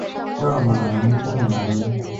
球员退役后转任教练。